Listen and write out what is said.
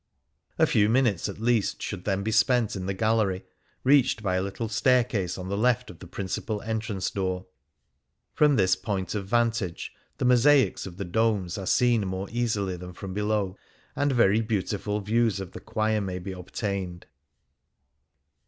A few minutes, at least, should then be spent in the gallery, reached by a little staircase on the left of the principal entrance door. From this point of vantage the mosaics of the domes are seen more easily than from below, and very beautiful views of the choir may be obtained.